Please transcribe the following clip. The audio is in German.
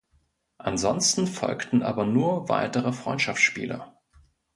Ansonsten folgten aber nur weitere Freundschaftsspiele.